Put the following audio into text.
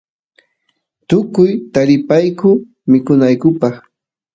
tukuy taripayku mikunaykupaq